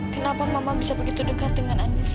kenapa mama bisa begitu dekat dengan anies